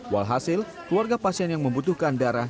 walhasil keluarga pasien yang membutuhkan darah